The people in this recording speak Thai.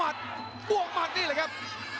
หัวจิตหัวใจแก่เกินร้อยครับ